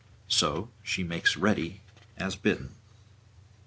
So she makes ready as bidden.